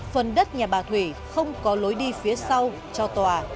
phần đất nhà bà thủy không có lối đi phía sau cho tòa